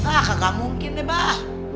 ah kagak mungkin deh mbah